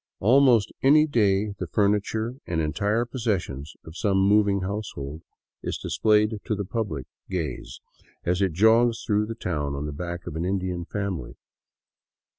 Almost any day the furniture and entire possessions of some moving household is displayed to public gaze as it jogs through town on the backs of an Indian family.